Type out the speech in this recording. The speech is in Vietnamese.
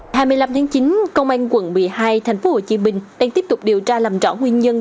ngày một mươi năm tháng chín công an quận một mươi hai tp hcm đang tiếp tục điều tra làm rõ nguyên nhân